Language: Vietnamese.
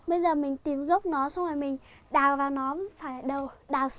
bây giờ mình tìm gốc nó xong rồi mình đào vào nó phải đào sâu vào để lấy được